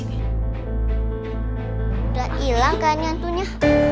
udah hilang kan hantunya